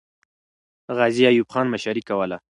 غازي ایوب خان مشري کوله.